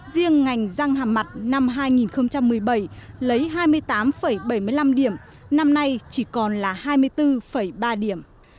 riêng ngành răng hàm mặt năm hai nghìn một mươi bảy lấy hai mươi tám bảy mươi năm điểm năm nay chỉ còn là hai mươi bốn ba điểm